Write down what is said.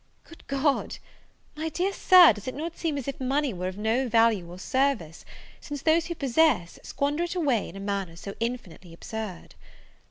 Good God! my dear Sir, does it not seem as if money were of no value or service, since those who possess, squander it away in a manner so infinitely absurd?